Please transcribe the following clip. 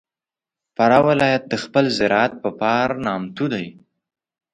فراه ولایت د خپل زراعت په پار نامتو دی.